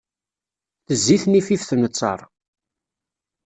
Tezzi tnifift n ttaṛ.